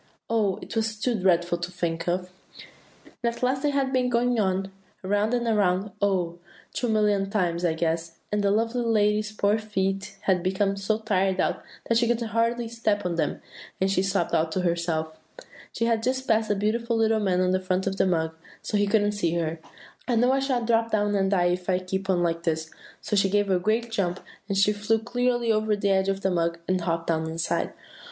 Oh, it was too dreadful to think of! "And at last they had been going on so, around and around, oh! two million times, I guess; and the lovely lady's poor little feet had become so tired out, that she could hardly step on them, and she sobbed out to herself, she had just passed the beautiful little man on the front of the mug, so he couldn't see her, 'I know I shall drop down and die, if I keep on like this;' so she gave a great jump, and she flew clear over the edge of the mug, and hopped down inside."